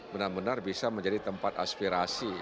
benar benar bisa menjadi tempat aspirasi